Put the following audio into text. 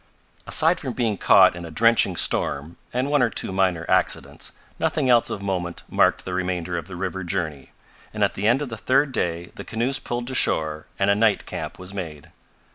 Aside from being caught in a drenching storm and one or two minor accidents, nothing else of moment marked the remainder of the river journey, and at the end of the third day the canoes pulled to shore and a night camp was made.